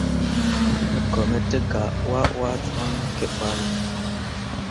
Ne cok me te gah wah, waa coŋ me ke balle.